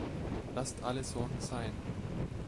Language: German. Laßt alle Sorgen sein!